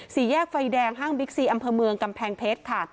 สี่แยกไฟแดงห้างบิ๊กซีอำเภอเมืองกำแพงเพชรค่ะ